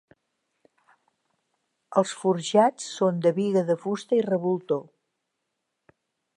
Els forjats són de biga de fusta i revoltó.